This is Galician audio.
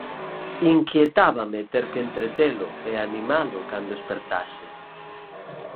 Inquietábame ter que entretelo e animalo cando espertase.